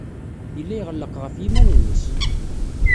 Yella iɣelleq ɣef yiman-nnes.